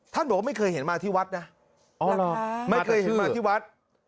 บอกว่าไม่เคยเห็นมาที่วัดนะไม่เคยเห็นมาที่วัด